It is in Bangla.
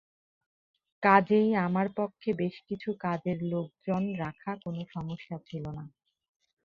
কাজেই আমার পক্ষে বেশ কিছু কাজের লোকজন রাখা কোনো সমস্যা ছিল না।